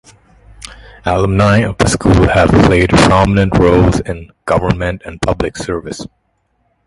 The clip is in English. Alumni of the school have played prominent roles in government and public service.